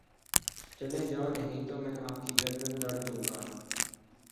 چلے جاؤ نہیں تو میں آپ کی گردن تڑ دوں گا